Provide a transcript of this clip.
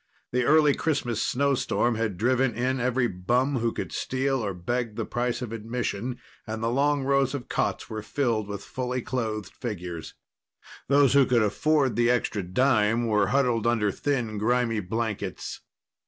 The early Christmas snowstorm had driven in every bum who could steal or beg the price of admission, and the long rows of cots were filled with fully clothed figures. Those who could afford the extra dime were huddled under thin, grimy blankets.